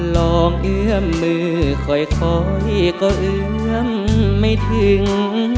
เอื้อมมือค่อยก็เอื้อมไม่ถึง